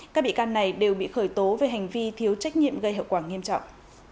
các bị can này đều bị khởi tố về hành vi thiếu trách nhiệm gây hậu quả nghiêm trọng